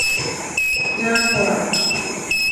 N’afọ a